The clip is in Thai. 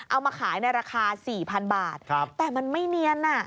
เอามาขายในราคา๔๐๐๐บาทแต่มันไม่เนียน